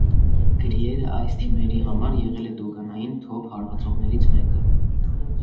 Գրիերը այս թիմերի համար եղել է տուգանային թոփ հարվածողներից մեկը։